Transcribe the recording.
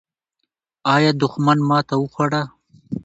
آیا دښمن ماته وخوړه؟